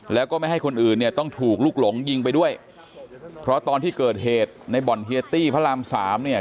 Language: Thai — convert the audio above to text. แล้วก็ไม่ให้คนอื่นเนี่ยต้องถูกลุกหลงยิงไปด้วยเพราะตอนที่เกิดเหตุในบ่อนเฮียตี้พระรามสามเนี่ย